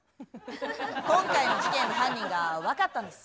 今回の事件の犯人が分かったんです。